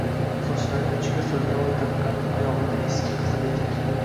sochlarining uchiga so‘lkavoy taqqan, oyog‘ida eski qizil etik...